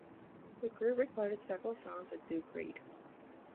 The group recorded several songs with Duke Reid.